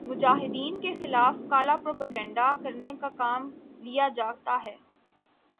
مجاہدین کے خلاف کالا پروپیگنڈا کرنے کا کام لیا جاتا ہے